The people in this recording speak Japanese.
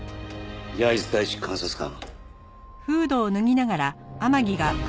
焼津大地監察官。